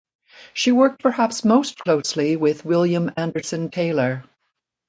She worked perhaps most closely with William Anderson Taylor.